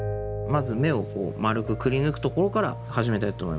まず目をまるくくりぬくところから始めたいと思います。